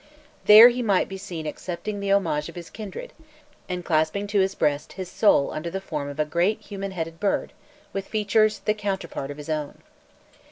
There he might be seen accepting the homage of his kindred, and clasping to his breast his soul under the form of a great human headed bird with features the counterpart of his own.